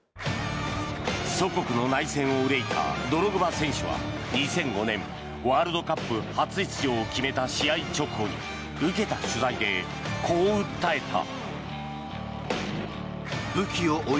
祖国の内戦をうれいたドログバ選手は２００５年ワールドカップ初出場を決めた試合直後に受けた取材でこう訴えた。